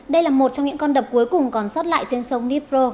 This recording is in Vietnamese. đây là một trong những con đập cuối cùng còn sót lại trên sông nippro